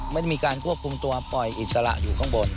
ไม่ได้มีการควบคุมตัวปล่อยอิสระอยู่ข้างบน